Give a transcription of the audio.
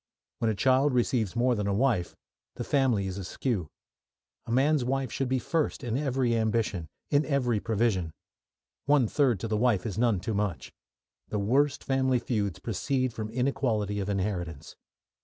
When a child receives more than a wife, the family is askew. A man's wife should be first in every ambition, in every provision. One third to the wife is none too much. The worst family feuds proceed from inequality of inheritance.